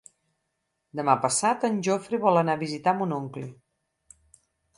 Demà passat en Jofre vol anar a visitar mon oncle.